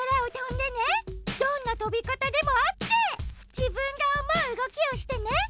じぶんがおもううごきをしてね！